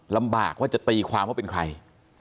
ลำบากว่าจะตีความว่าเป็นใคร